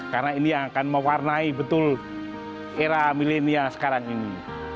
karena ini akan mewarnai betul era milenial sekarang ini